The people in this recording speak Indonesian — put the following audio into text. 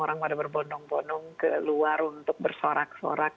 orang pada berbonong bonong ke luar untuk bersorak sorak